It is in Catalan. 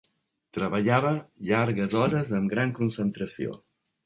Treballava "llargues hores amb gran concentració".